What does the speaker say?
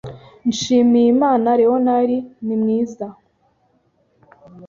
Nshimiyimana Leonard ni mwiza